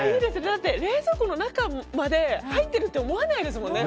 だって、冷蔵庫の中まで入ってるって思わないですもんね